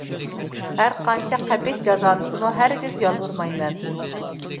ھەر قانچە قەبىھ جازالىسىمۇ ھەرگىز يالۋۇرمايمەن.